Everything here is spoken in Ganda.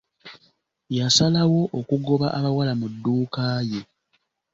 Yasalawo okugoba abawala mu dduuka ye.